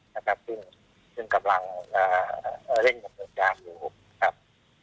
ซึ่งกำลังเร่งกำลังการอยู่ครับ